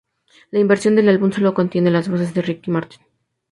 La versión del álbum sólo contiene las voces de Ricky Martin.